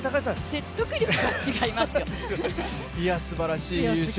説得力が違いますよ。